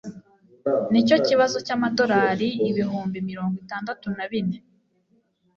Nicyo kibazo cyamadorari ibihumbi mirongo itandatu na bine